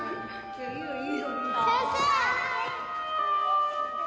先生！